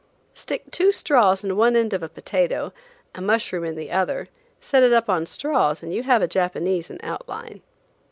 Stick two straws in one end of a potato, a mushroom in the other, set it up on the straws and you have a Japanese in outline.